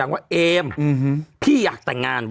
ว่าเอมพี่อยากแต่งงาน